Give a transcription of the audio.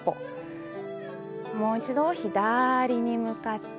もう一度左に向かって。